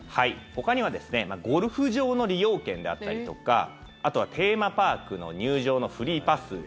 ほかにはゴルフ場の利用券であったりとかあとはテーマパークの入場のフリーパス